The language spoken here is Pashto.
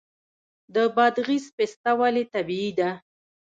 د بادغیس پسته ولې طبیعي ده؟